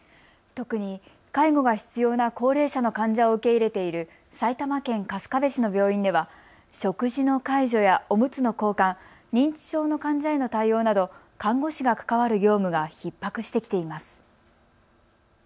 特に介護が必要な高齢者の患者を受け入れている埼玉県春日部市の病院では食事の介助やおむつの交換、認知症の患者への対応など看護師が関わる業務がひっ迫してきています。